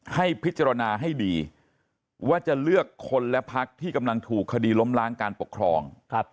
ให้พิจารณาให้ดีว่าจะเลือกคนและพักที่กำลังถูกคดีล้มล้างการปกครอง